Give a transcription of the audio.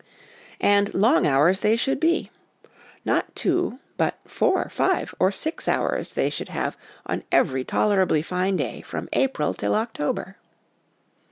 And long hours they should be; 44 HOME EDUCATION not two, but four, five, or six hours they should have on every tolerably fine day, from April till October.